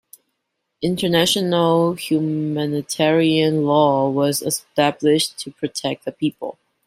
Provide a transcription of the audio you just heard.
International humanitarian law was established to protect the people.